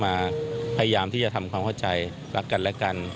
พยายามที่จะทำความเข้าใจรักกันและกัน